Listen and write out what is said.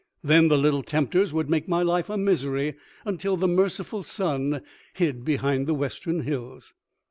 Then the little tempters would make my life a misery until the merciful sun hid behind the western hills.